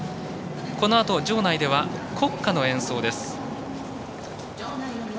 このあと場内では国歌の演奏です。